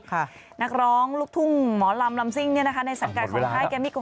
นักร้องลูกทุ่งหมอลำลำซิ่งในสังกัดของค่ายแกมมี่โก